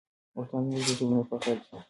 وطن زموږ د زړونو فخر دی.